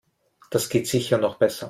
Das geht sicher noch besser.